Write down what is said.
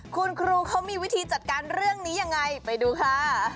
คุณครูเขามีวิธีจัดการเรื่องนี้ยังไงไปดูค่ะ